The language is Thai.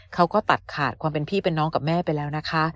เขาก็ตัดขาดความเป็นพี่เป็นน้องกับแม่ไปแล้วนะคะ